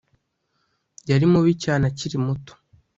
Yari mubi cyane akiri muto